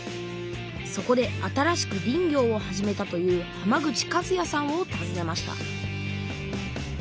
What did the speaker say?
そこで新しく林業を始めたという浜口和也さんをたずねました